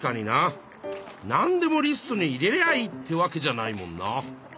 なんでもリストに入れりゃあいいってわけじゃないもんな。